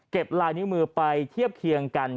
ลายนิ้วมือไปเทียบเคียงกัน